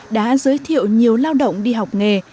đã giới thiệu nhiều lao động đi học nghề